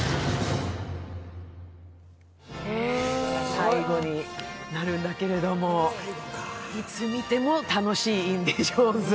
最後になるんだけれどもいつ見ても楽しい「インディ・ジョーンズ」。